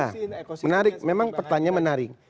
ya menarik memang pertanyaan menarik